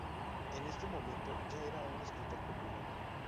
En este momento, ya era un escritor popular.